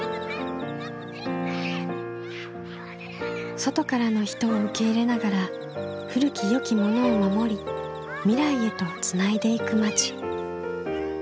外からの人を受け入れながら古きよきものを守り未来へとつないでいく町。